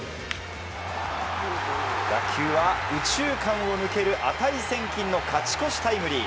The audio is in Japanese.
打球は右中間を抜ける値千金の勝ち越しタイムリー。